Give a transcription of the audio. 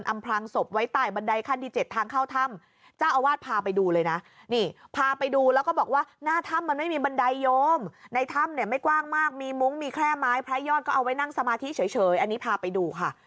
มีแค่ไม้พระยอดก็เอาไว้นั่งสมาธิเฉยอันนี้พาไปดูค่ะ